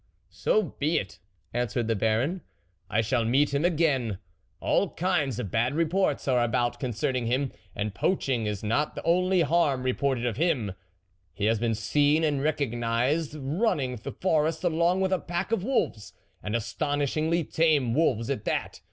" So be it !" answered the Baron, " I shall meet him again. All kinds of bad reports are about concerning him, and poaching is not the only harm reported of him ; he has ,been seen and recognised running the forest along with a pack of wolves and astonishingly tame wolves at that.